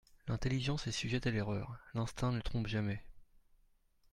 L'intelligence est sujette à l'erreur ; l'instinct ne trompe jamais.